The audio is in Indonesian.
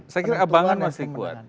saya kira abangan masih kuat